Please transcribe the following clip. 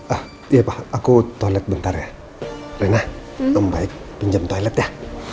ah iya pak aku toilet bentar ya rena ngomong baik pinjam toilet ya